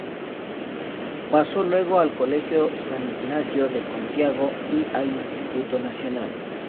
Pasó luego al Colegio San Ignacio de Santiago y al Instituto Nacional.